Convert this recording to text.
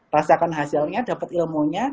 rasakan hasilnya dapat ilmunya